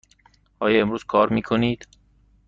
آیا امروز کار می کنید؟